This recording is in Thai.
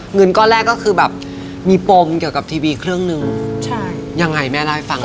เงินก้อนแรกก็คือแบบมีปมเกี่ยวกับทีวีเครื่องหนึ่งใช่ยังไงแม่เล่าให้ฟัง